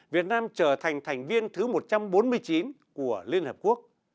việt nam trở thành thành viên thứ một trăm bốn mươi chín của liên hợp quốc